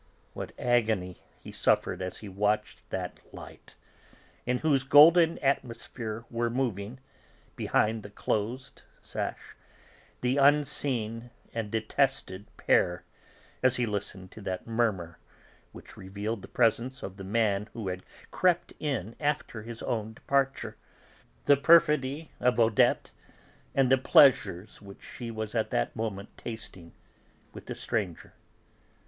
What agony he suffered as he watched that light, in whose golden atmosphere were moving, behind the closed sash, the unseen and detested pair, as he listened to that murmur which revealed the presence of the man who had crept in after his own departure, the perfidy of Odette, and the pleasures which she was at that moment tasting with the stranger.